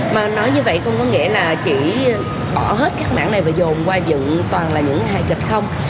mà nói như vậy không có nghĩa là chỉ bỏ hết các mảng này và dồn qua dựng toàn là những hài kịch không